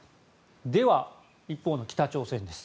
では、一方の北朝鮮です。